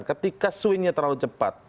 ketika swingnya terlalu cepat